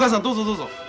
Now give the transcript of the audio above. どうぞどうぞ。